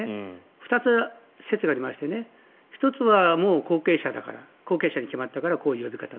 ２つ説がありまして１つは後継者に決まったからこういう呼び方。